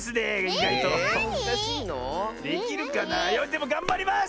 でもがんばります！